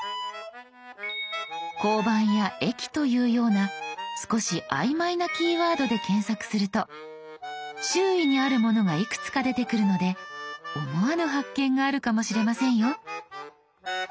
「交番」や「駅」というような少し曖昧なキーワードで検索すると周囲にあるものがいくつか出てくるので思わぬ発見があるかもしれませんよ。